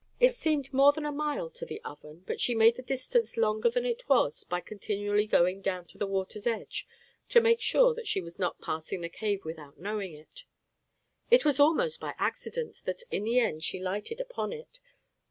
It seemed more than a mile to the Oven, but she made the distance longer than it was by continually going down to the water's edge to make sure that she was not passing the cave without knowing it. It was almost by accident that in the end she lighted upon it.